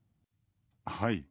はい。